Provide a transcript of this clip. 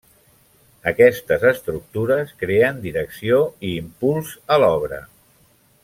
Aquestes estructures creen direcció i impuls a l'obra.